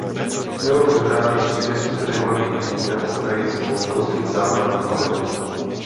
Film vypráví příběh skupiny mladých lidí na okraji společnosti v západním Hollywoodu.